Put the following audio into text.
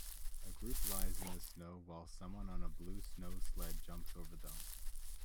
A group lies in the snow while someone on a blue snow sled jumps over them.